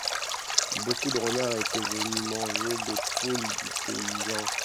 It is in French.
Beaucoup de renards étaient venus manger les poules du paysan.